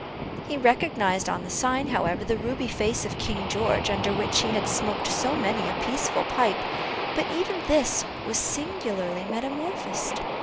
He recognized on the sign, however, the ruby face of King George, under which he had smoked so many a peaceful pipe, but even this was singularly metamorphosed.